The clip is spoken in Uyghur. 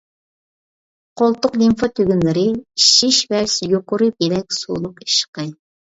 قولتۇق لىمفا تۈگۈنلىرى ئىششىش ۋە يۇقىرى بىلەك سۇلۇق ئىششىقى.